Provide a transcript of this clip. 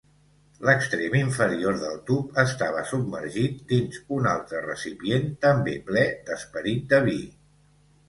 L'extrem inferior del tub estava submergit dins un altre recipient també ple d'esperit de vi.